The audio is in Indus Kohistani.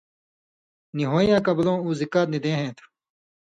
نی ہُوئن٘یاں کبلؤں اُو زِکات نی دے ہَیں تُھو۔